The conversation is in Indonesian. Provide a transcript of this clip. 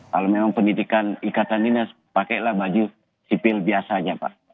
kalau memang pendidikan ikatan dinas pakailah baju sipil biasanya pak